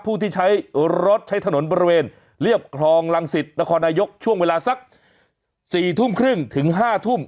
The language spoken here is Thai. ผู้ที่ใช้รถใช้ถนนบริเวณเรียบคลองรังสิตนครนายกช่วงเวลาสัก๔ทุ่มครึ่งถึง๕ทุ่ม